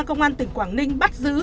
công an tỉnh quảng ninh bắt giữ